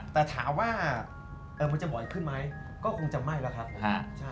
แต่ถามว่ามันจะบ่อยขึ้นไหมก็คงจะไหม้แล้วครับผม